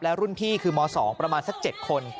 และรุ่นพี่คือม๒ประมาณสัก๗คน